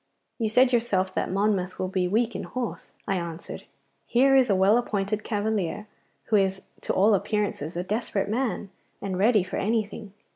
'You said yourself that Monmouth will be weak in horse,' I answered. 'Here is a well appointed cavalier, who is to all appearance a desperate man and ready for anything.